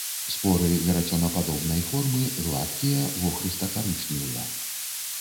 Споры верацёнападобнай формы, гладкія, вохрыста-карычневыя.